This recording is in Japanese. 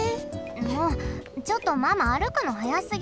もうちょっとママ歩くの速すぎ。